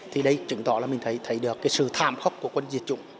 thì đây chứng tỏ là mình thấy được sự thảm khốc của quân diệt chủng